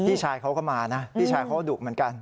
พี่ชายเขาก็มานะพี่ชายเขาก็ดุเหมือนกัน